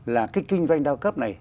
là cái kinh doanh đa cấp này